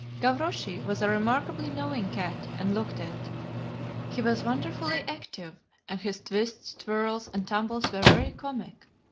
"Gavroche was a remarkably knowing cat, and looked it. He was wonderfully active, and his twists, twirls, and tumbles were very comic.